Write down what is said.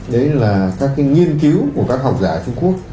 đấy là các cái nghiên cứu của các học giả ở trung quốc